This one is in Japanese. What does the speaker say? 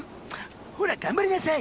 ほら頑張りなさい。